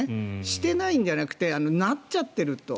していないんじゃなくてなっちゃっていると。